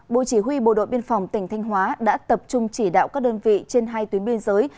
bộ chỉ huy bộ đội biên phòng tỉnh thanh hóa đã tập trung chỉ đạo các đơn vị trên hai tuyến biên giới